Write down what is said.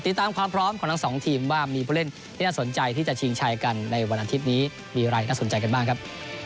ติดตามความพร้อมของทั้งสองทีมว่ามีผู้เล่นที่น่าสนใจที่จะชิงชัยกันในวันอาทิตย์นี้มีอะไรน่าสนใจกันบ้างครับ